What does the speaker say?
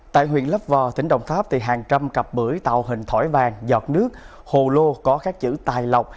tại huyện lấp vò tỉnh đồng tháp hàng trăm cặp bưởi tạo hình thỏi vàng giọt nước hồ lô có các chữ tài lọc